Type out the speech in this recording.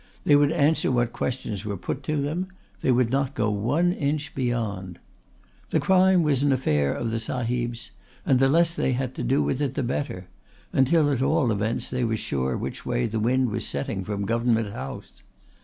They would answer what questions were put to them; they would not go one inch beyond. The crime was an affair of the Sahibs and the less they had to do with it the better, until at all events they were sure which way the wind was setting from Government House.